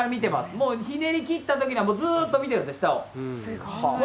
もうひねりきったときには、もうずっと見てるんですよ、下を。